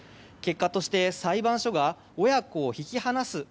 結果として裁判所が親子を引き離す